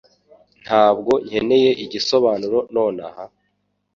Ntabwo nkeneye igisubizo nonaha